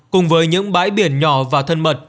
cùng với những bãi biển nhỏ và thân mật